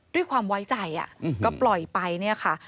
ด้วยความไว้ใจก็ปล่อยไปเนี่ยค่ะ